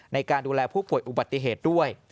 ในการดูแลผู้ป่วยอุบัติเหตุด้วย